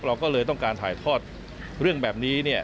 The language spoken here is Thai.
เราก็เลยต้องการถ่ายทอดเรื่องแบบนี้เนี่ย